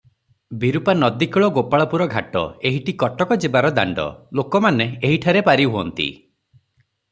ବିରୂପା ନଦୀକୂଳ-ଗୋପାଳପୁର ଘାଟ, ଏହିଟି କଟକ ଯିବାର ଦାଣ୍ତ; ଲୋକମାନେ ଏହିଠାରେ ପାରି ହୁଅନ୍ତି ।